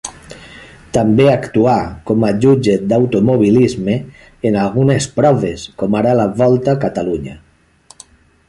També actuà com a jutge d'automobilisme en algunes proves, com ara la Volta a Catalunya.